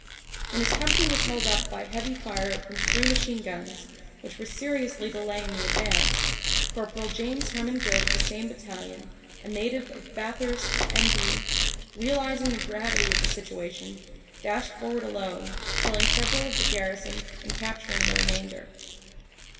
When his company was held up by heavy fire from three machine guns, which were seriously delaying the advance, Cpl. James Herman Good of the same battalion, a native of Bathurst, N.B., realising the gravity of the situation, dashed forward alone, killing several of the garrison and capturing the remainder.